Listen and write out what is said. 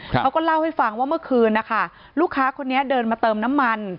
เขาก็เล่าให้ฟังว่าเมื่อคืนนะคะลูกค้าคนนี้เดินมาเติมน้ำมัน